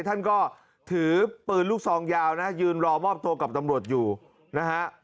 ท่านก็ถือปืนลูกซองยาวนะยืนรอมอบตัวกับตำรวจอยู่นะฮะ